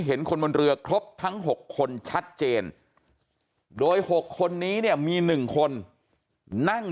เห็นคนบนเรือครบทั้ง๖คนชัดเจนโดย๖คนนี้เนี่ยมี๑คนนั่ง